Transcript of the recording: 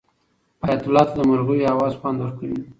حیات الله ته د مرغیو اواز خوند ورکوي.